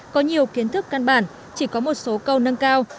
có nhiều kiến thức căn bản chỉ có một số câu nâng cao